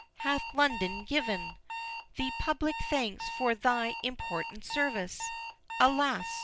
Hath London given Thee public thanks for thy important service? Alas!